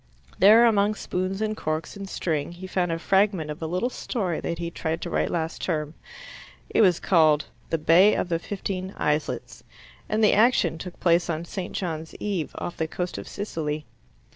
There, among spoons and corks and string, he found a fragment of a little story that he had tried to write last term. It was called "The Bay of the Fifteen Islets," and the action took place on St. John's Eve off the coast of Sicily.